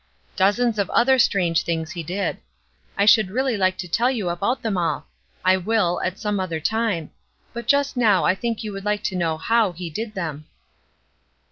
Dozens of other strange things he did. I should really like to tell you about them all. I will, at some other time; but just now I think you would like to know how he did them."